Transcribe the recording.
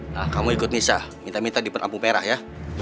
nah kamu ikut nisa minta minta di perlampu merah ya